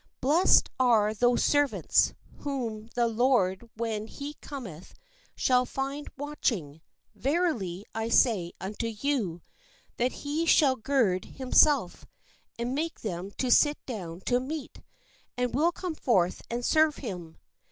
Blessed are those servants, whom the lord when he cometh shall find watching : verily I say unto you, that he shall gird himself, and make them to sit down to meat, and will WHEN THE LORD COMETH come forth and serve them.